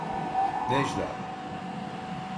Necla!